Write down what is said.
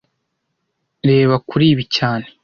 Reba kuri ibi cyane